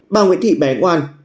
bà nguyễn thị bé ngoan